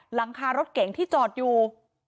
หลังคารถเก๋งที่จอดอยู่